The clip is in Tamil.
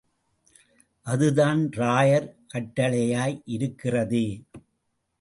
அதுதான் ராயர் கட்டளையாய் இருக்கிறதே!